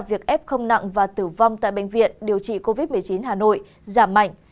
việc f không nặng và tử vong tại bệnh viện điều trị covid một mươi chín hà nội giảm mạnh